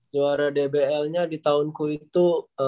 juara dbl nya di tahunku itu